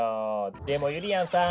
でもゆりやんさん。